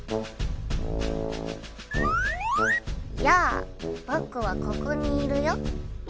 やあ僕はここにいるよ。